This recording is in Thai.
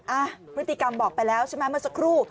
อ่ะพฤติกรรมบอกไปแล้วใช่ไหมเมื่อสักครู่